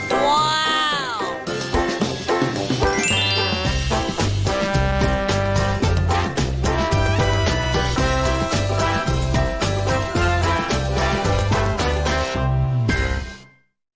ต้านแทพ